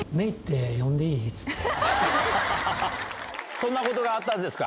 そんなことがあったんですか？